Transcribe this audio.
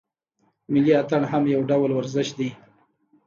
ملي اتڼ هم یو ډول ورزش دی.